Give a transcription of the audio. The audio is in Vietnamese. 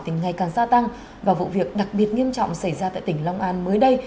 thì ngày càng gia tăng và vụ việc đặc biệt nghiêm trọng xảy ra tại tỉnh long an mới đây